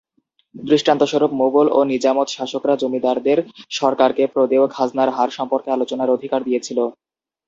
দৃষ্টান্তস্বরূপ, মুগল ও নিজামত শাসকরা জমিদারদের সরকারকে প্রদেয় খাজনার হার সম্পর্কে আলোচনার অধিকার দিয়েছিল।